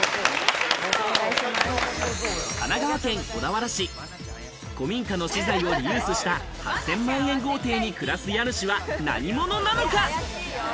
神奈川県小田原市、古民家の資材をリユースした８０００万円豪邸に暮らす家主は何者なのか？